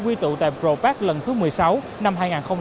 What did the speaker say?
quy tụ tại pro park lần thứ một mươi sáu năm hai nghìn hai mươi